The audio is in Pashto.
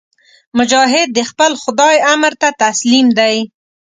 مجاهد د خپل خدای امر ته تسلیم دی.